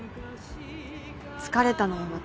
疲れたのよ